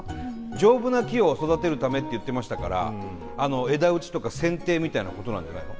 丈夫な木を育てるためって言ってましたから枝打ちとかせんていみたいなことなんじゃないの？